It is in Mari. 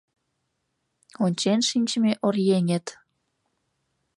Ончен шинчыме оръеҥет